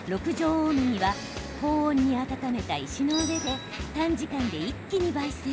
大麦は高温に温めた石の上で短時間で一気にばい煎。